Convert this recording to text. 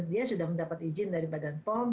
dia sudah mendapat izin dari badan pom